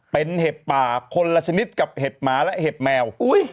เป็นเห็บป่าคนละชนิดกับเห็บหมาและเห็บแมว